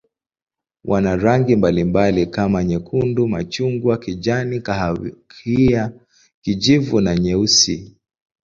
Wana rangi mbalimbali kama nyekundu, machungwa, kijani, kahawia, kijivu na nyeusi.